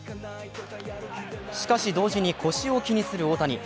しかし同時に腰を気にする大谷。